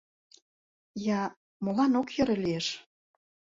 — Я, молан ок йӧрӧ лиеш?